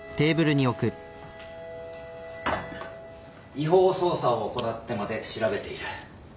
違法捜査を行ってまで調べている。